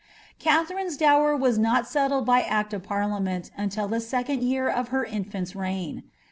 Kaiherine's dower was not settled by Act of Partiameni nntil the w cond year of her infant's reign.